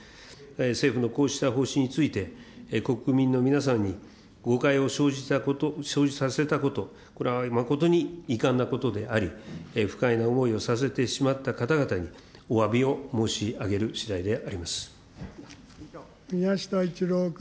政府のこうした方針について、国民の皆さんに、誤解を生じさせたこと、これは誠に遺憾なことであり、不快な思いをさせてしまった方々におわびを申し上げる次第であり宮下一郎君。